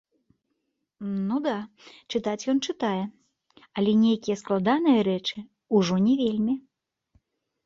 Ну да, чытаць ён чытае, але нейкія складаныя рэчы ўжо не вельмі.